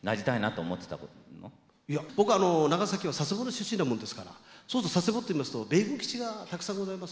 いや僕はあの長崎は佐世保の出身なもんですからそうすると佐世保といいますと米軍基地がたくさんございます。